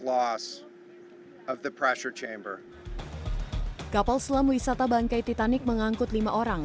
kapal selam wisata bangkai titanic mengangkut lima orang